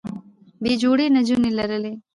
بې جوړې نجونې لرلې